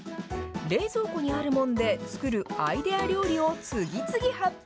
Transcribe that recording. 冷蔵庫にあるもんで作るアイデア料理を次々発表。